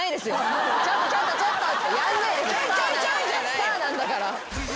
スターなんだから。